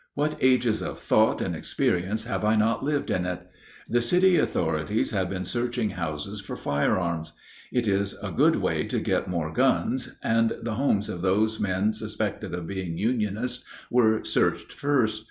What ages of thought and experience have I not lived in it! The city authorities have been searching houses for firearms. It is a good way to get more guns, and the homes of those men suspected of being Unionists were searched first.